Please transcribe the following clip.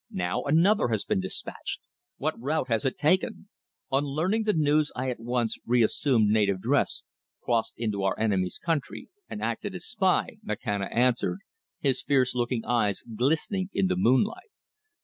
Now another has been dispatched! What route has it taken?" "On learning the news I at once reassumed native dress, crossed into our enemy's country and acted as spy," Makhana answered, his fierce looking eyes glistening in the moonlight.